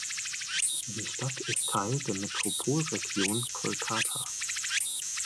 Die Stadt ist Teil der Metropolregion Kolkata.